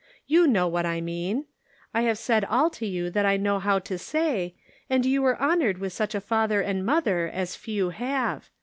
You know what I mean. I have said all to you that I know how to say, and you were honored with such a father and mother as few have.